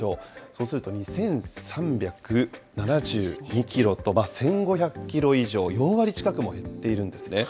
そうすると２３７２キロと、１５００キロ以上、４割近くも減っているんですね。